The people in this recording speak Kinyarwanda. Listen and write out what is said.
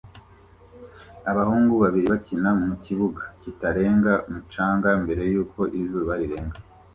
Abahungu babiri bakina mukibuga kitarenga ku mucanga mbere yuko izuba rirenga